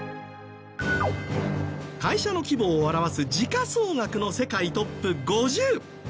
会社の規模を表す時価総額の世界ＴＯＰ５０。